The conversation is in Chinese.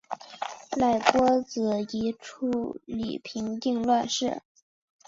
赖郭子仪处理平定乱事。